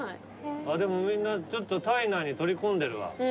でもみんなちょっと体内に取り込んでるわ。